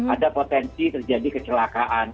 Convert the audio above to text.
ada potensi terjadi kecelakaan